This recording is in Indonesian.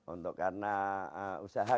untuk karena usaha